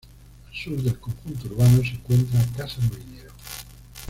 Al sur del conjunto urbano se encuentra Casa Molinero.